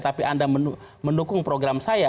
tapi anda mendukung program saya